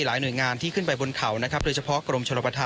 หลายหน่วยงานที่ขึ้นไปบนเขาโดยเฉพาะกรมชนบท